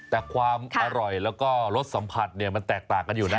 แต่ความอร่อยแล้วก็รสสัมผัสเนี่ยมันแตกต่างกันอยู่นะ